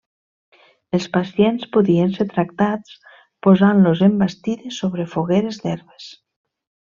Els pacients podien ser tractats posant-los en bastides sobre fogueres d'herbes.